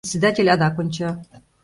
Председатель адак онча.